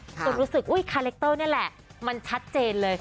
จนรู้สึกอุ๊ยคาแรคเตอร์นี่แหละมันชัดเจนเลย